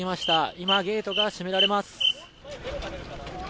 今、ゲートが閉められます。